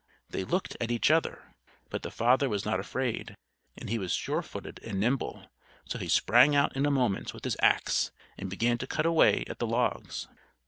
They looked at each other. But the father was not afraid, and he was surefooted and nimble; so he sprang out in a moment, with his ax, and began to cut away at the logs.